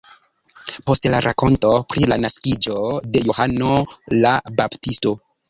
Post la rakonto pri la naskiĝo de Johano la Baptisto.